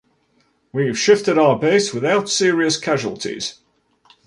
We've shifted our base without serious casualties.